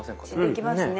できますね。